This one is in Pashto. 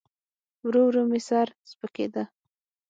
ورو ورو مې سر سپکېده.